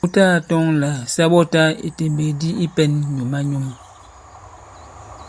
Wu tagā tɔŋ là sa ɓɔtā ìtèmbèk di i pɛ̄n nyǔm-a-nyum.